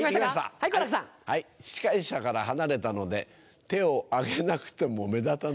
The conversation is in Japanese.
司会者から離れたので手を挙げなくても目立たない。